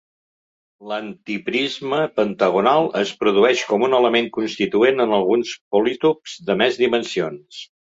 L'antiprisme pentagonal es produeix com un element constituent en alguns polítops de més dimensions.